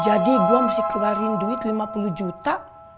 gue mesti keluarin duit lima puluh juta